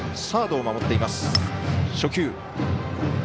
サードを守っています。